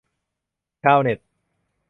ชาวเน็ต